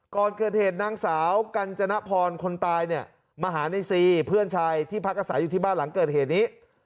ก่อนเกิดเหตุนางสาวกัญจนพรคนตายเนี่ยมาหาในซีเพื่อนชายที่พักอาศัยอยู่ที่บ้านหลังเกิดเหตุนี้